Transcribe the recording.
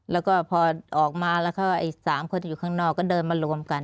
แล้วก็พอออกมาแล้วก็อีก๓คนที่อยู่ข้างนอกก็เดินมารวมกัน